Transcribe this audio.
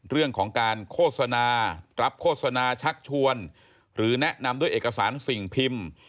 เรื่องของการโฆษณารับโฆษณาชักชวนหรือแนะนำด้วยเอกสารสิ่งพิมพ์